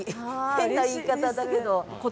変な言い方だけど。